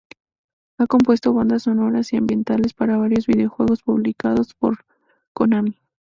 Ha compuesto bandas sonoras y ambientales para varios videojuegos publicados por Konami.